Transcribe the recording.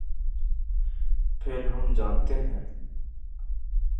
پھر ہم جانتے ہیں۔